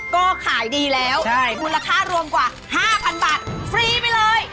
ก็ขายดีแล้วมูลค่ารวมกว่า๕๐๐๐บาทฟรีไปเลย